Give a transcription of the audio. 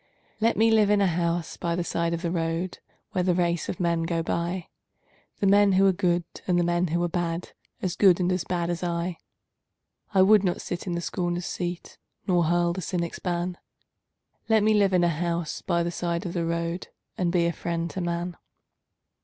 Let me live in a house by the side of the road Where the race of men go by The men who are good and the men who are bad, As good and as bad as I. I would not sit in the scorner's seat Nor hurl the cynic's ban Let me live in a house by the side of the road And be a friend to man.